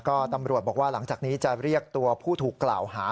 ก็ตำรวจบอกว่าหลังจากนี้จะเรียกตัวผู้ถูกกล่าวหา